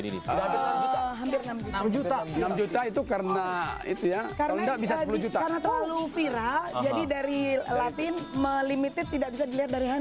dan penghasilan besar